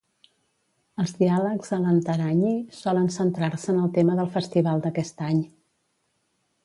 Els diàlegs a l'Antaragni solen centrar-se en el tema del festival d'aquest any.